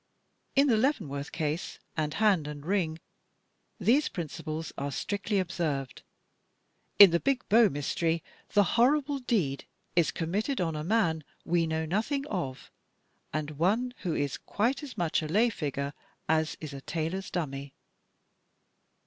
In "The Leavenworth Case" and "Hand and Ring," these principles are strictly observed. In "The Big Bow Mystery," the horrible deed is committed on a man we know nothing of, 236 THE TECHNIQUE OF THE MYSTERY STORY and one who is quite as much a lay figure as is a tailor's dummy.